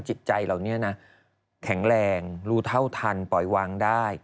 จิตใจเหล่านี้นะแข็งแรงรู้เท่าทันปล่อยวางได้